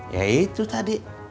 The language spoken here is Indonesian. ya itu tadi